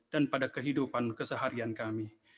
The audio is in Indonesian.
pada kehidupan keseharian kami